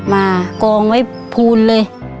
มากองไว้ภูนเลย